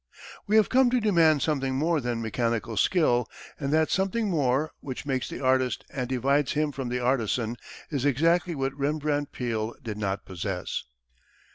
We have come to demand something more than mechanical skill, and that "something more," which makes the artist and divides him from the artisan, is exactly what Rembrandt Peale did not possess.